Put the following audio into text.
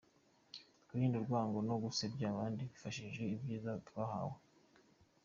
twirinde urwango no gusebya abandi twifashishije ibyiza twahawe.